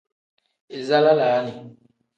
Iza lalaani.